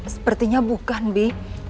sepertinya bukan bi